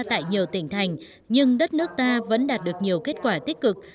tại nhiều tỉnh thành nhưng đất nước ta vẫn đạt được nhiều kết quả tích cực